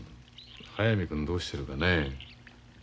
速水君どうしてるかね。